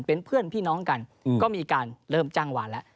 เป็นเพื่อนพี่น้องกันก็มีการเริ่มจ้างวานแล้ว